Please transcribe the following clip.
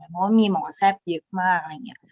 เพราะว่ามีหมอแซ่บเยอะมากอะไรอย่างนี้